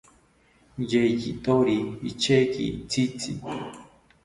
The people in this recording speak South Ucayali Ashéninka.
Yeyithori icheki tzitzi